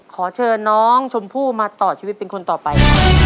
ขอเชิญน้องชมพู่มาต่อชีวิตเป็นคนต่อไป